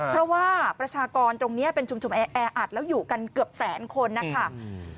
เพราะว่าประชากรตรงนี้เป็นชุมชนแออัดแล้วอยู่กันเกือบแสนคนนะคะ